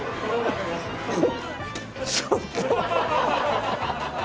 ちょっと。